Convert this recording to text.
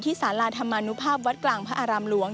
สาราธรรมนุภาพวัดกลางพระอารามหลวง